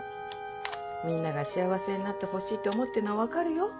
みんなが幸せになってほしいと思ってんのは分かるよ。